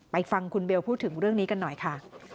ฟังคุณเบลพูดถึงเรื่องนี้กันหน่อยค่ะ